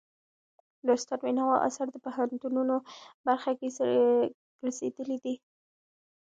د استاد بينوا آثار د پوهنتونونو برخه ګرځېدلي دي.